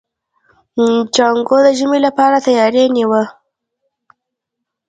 جانکو د ژمي لپاره تياری نيوه.